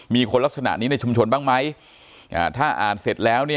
มีคนลักษณะนี้ในชุมชนบ้างไหมถ้าอ่านเสร็จแล้วเนี่ย